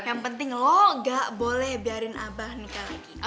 yang penting lo gak boleh biarin abah nikah lagi